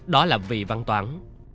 đó là vị văn toán